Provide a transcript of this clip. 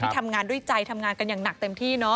ทำงานด้วยใจทำงานกันอย่างหนักเต็มที่เนาะ